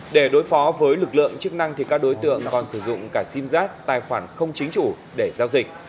để đối phó với lực lượng chức năng các đối tượng còn sử dụng cả simzat tài khoản không chính chủ để giao dịch